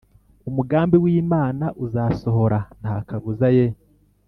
Umugambi w Imana uzasohora nta kabuza Ye